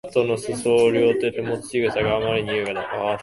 スカートの裾を両手でもつ仕草があまりに優雅だ